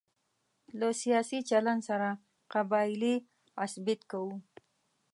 له سیاسي چلن سره قبایلي عصبیت کوو.